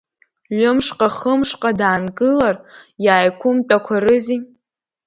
Ҩы-мшҟа, хы-мшҟа даангылар, иааиқәымтәақәарызи…